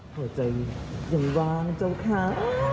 หัวใจยังวางเจ้าค้า